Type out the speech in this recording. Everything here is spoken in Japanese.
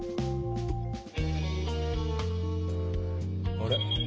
あれ？